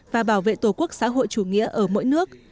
và bảo vệ tổ quốc xã hội chủ nghĩa ở mỗi nước